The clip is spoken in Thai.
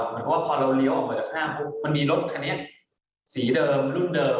หมายความว่าพอเราเลี้ยวออกมาจากห้างปุ๊บมันมีรถคันนี้สีเดิมรุ่นเดิม